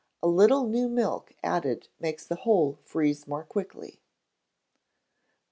A little new milk added makes the whole freeze more quickly. 2146.